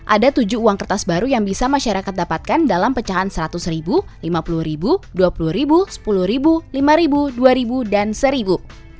ada tujuh uang kertas baru yang bisa masyarakat dapatkan dalam pecahan seratus ribu lima puluh ribu dua puluh ribu sepuluh ribu lima ribu dua ribu dan satu ribu